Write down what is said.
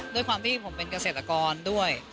ด้วยความที่ผมเป็นเกษตรกรด้วย